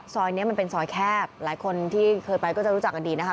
ซอยนี้มันเป็นซอยแคบหลายคนที่เคยไปก็จะรู้จักกันดีนะคะ